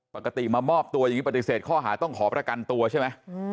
ปกติมามอบตัวอย่างนี้ปฏิเสธข้อหาต้องขอประกันตัวใช่ไหม